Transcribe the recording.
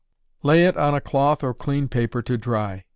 Lay it on a cloth or clean paper to dry.